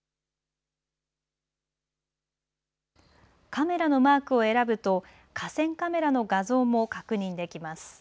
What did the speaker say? カメラのマークを選ぶと河川カメラの画像も確認できます。